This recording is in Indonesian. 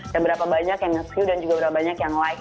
dan berapa banyak yang ngeview dan juga berapa banyak yang like